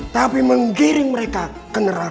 tapi menggiring mereka ke neraka